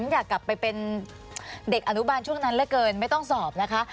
อยากกลับไปเป็นเด็กอนุบาลช่วงนั้นเหลือเกินไม่ต้องสอบนะคะ